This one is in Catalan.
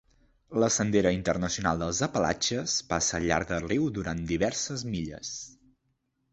La sendera internacional dels Apalatxes passa al llarg del riu durant diverses milles.